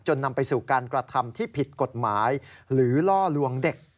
นำไปสู่การกระทำที่ผิดกฎหมายหรือล่อลวงเด็ก